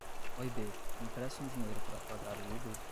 Oi bê, me empresta um dinheiro pra pagar o Uber?